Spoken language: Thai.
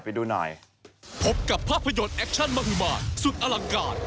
พบกับภาพยนตร์แอคชั่นมหุมานสุดอลังการ